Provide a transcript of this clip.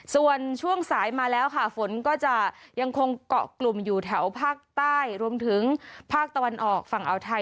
ส่วนช่วงสายมาแล้วค่ะฝนก็จะยังคงเกาะกลุ่มอยู่แถวภาคใต้รวมถึงภาคตะวันออกฝั่งอ่าวไทย